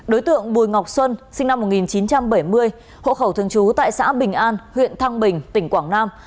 đối tượng bùi ngọc xuân sinh năm một nghìn chín trăm bảy mươi hộ khẩu thường trú tại xã bình an huyện thăng bình tỉnh quảng nam